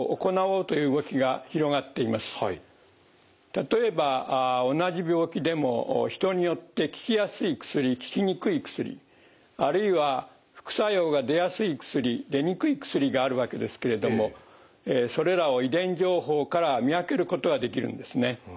例えば同じ病気でも人によって効きやすい薬効きにくい薬あるいは副作用が出やすい薬出にくい薬があるわけですけれどもそれらを遺伝情報から見分けることができるんですね。